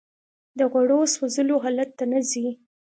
د غوړو سوځولو حالت ته نه ځي